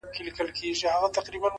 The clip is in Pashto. ترڅو له ماڅخه ته هېره سې،